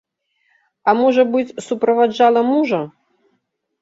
А, можа быць, суправаджала мужа?